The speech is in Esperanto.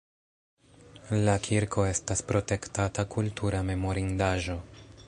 La kirko estas protektata kultura memorindaĵo.